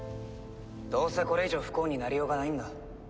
どうせこれ以上不幸になりようがないんだ。